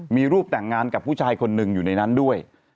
มีรูปแต่งงานกับผู้ชายคนหนึ่งอยู่ในนั้นด้วย